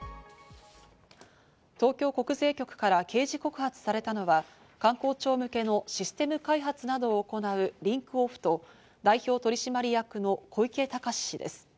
東京国税局から刑事告発されたのは官公庁向けのシステム開発などを行うリンクオフと代表取締役の小池隆志氏です。